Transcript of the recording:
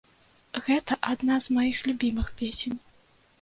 Гэта адна з маіх любімых песень.